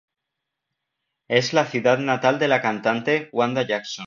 Es la ciudad natal de la cantante Wanda Jackson.